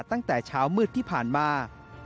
ตั้งแต่เช้ามืดที่ผ่านมา